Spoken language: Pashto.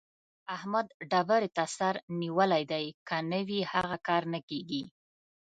احمد ډبرې ته سر نيولی دی؛ که نه وي هغه کار نه کېږي.